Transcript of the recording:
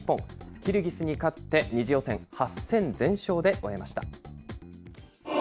キルギスに勝って、２次予選８戦全勝で終えました。